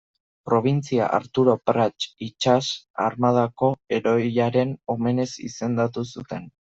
Probintzia Arturo Prat itsas armadako heroiaren omenez izendatu zuten.